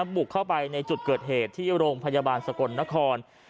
บุกเข้าไปในจุดเกิดเหตุที่โรงพยาบาลสกลนคร